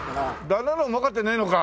旦那の方がもうかってねえのか。